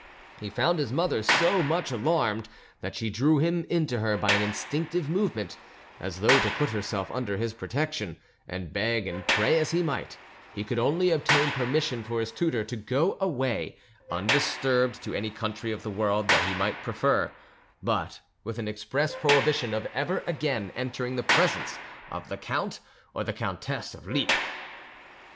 He found his mother so much alarmed that she drew him to her by an instinctive movement, as though to put herself under his protection, and beg and pray as he might; he could only obtain permission for his tutor to go away undisturbed to any country of the world that he might prefer, but with an express prohibition of ever again entering the presence of the Count or the Countess of Lippe.